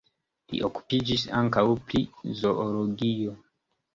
Li okupiĝis ankaŭ pri zoologio.